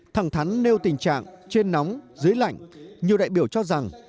thẳng thắn nêu tình trạng trên nóng dưới lạnh nhiều đại biểu cho rằng